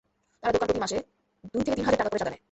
তারা দোকানপ্রতি মাসে দুই থেকে তিন হাজার টাকা করে চাঁদা নেয়।